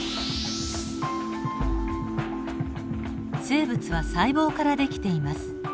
生物は細胞からできています。